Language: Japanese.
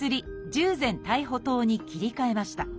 「十全大補湯」に切り替えました。